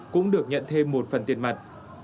cũng được nhận thêm một phần tiền mặt